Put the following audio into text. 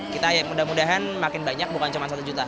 kita mudah mudahan makin banyak bukan cuma satu juta